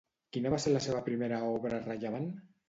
Quina va ser la seva primera obra rellevant?